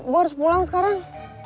gue harus pulang sekarang